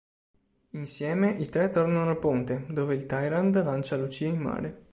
Insieme, i tre tornano al ponte, dove il Tyrant lancia Lucia in mare.